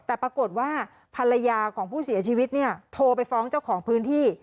แต่ปรากฏว่าภรรยาของผู้เสียชีวิตเนี่ยโทรไปฟ้องเจ้าของพื้นที่